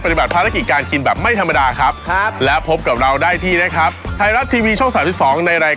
พังละไปเยอะนะครับแล้วพบกับผมนะครับเชฟอาร์ดครับ